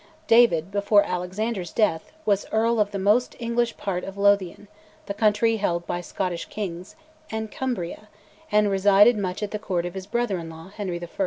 David, before Alexander's death, was Earl of the most English part of Lothian, the country held by Scottish kings, and Cumbria; and resided much at the court of his brother in law, Henry I.